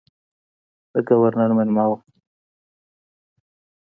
د ګورنر مېلمه وم.